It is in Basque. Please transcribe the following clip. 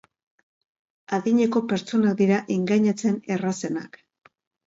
Adineko pertsonak dira engainatzen errazenak.